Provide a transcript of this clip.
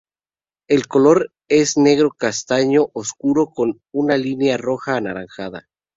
El color es negro o castaño oscuro con una línea roja-anaranjada.